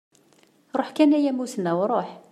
Ruḥ kan a yamusnaw ruḥ!